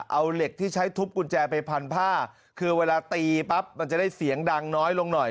เอาเหล็กที่ใช้ทุบกุญแจไปพันผ้าคือเวลาตีปั๊บมันจะได้เสียงดังน้อยลงหน่อย